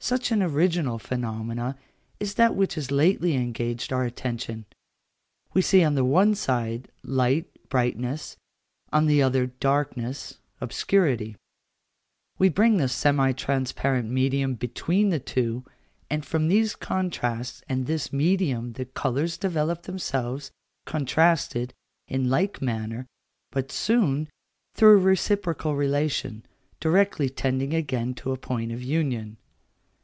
Such an original phenomenon is that which has lately engaged our attention. We see on the one side light, brightness; on the other darkness, obscurity: we bring the semi transparent medium between the two, and from these contrasts and this medium the colours develop themselves, contrasted, in like manner, but soon, through a reciprocal relation, directly tending again to a point of union.